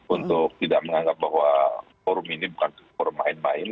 untuk tidak menganggap bahwa forum ini bukan forum main main